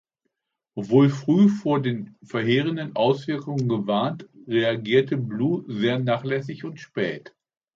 Obwohl früh vor den verheerenden Auswirkungen gewarnt, reagierte Blue sehr nachlässig und spät.